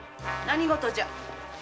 何事じゃ？